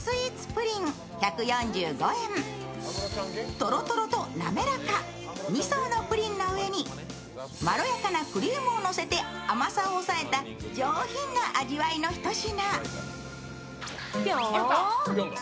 とろとろとなめらか２層のプリンの上にまろやかなクリームをのせて甘さを抑えた上品な味わいのひと品。